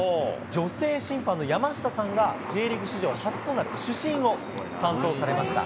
女性審判の山下さんが、Ｊリーグ史上、初となる主審を担当されました。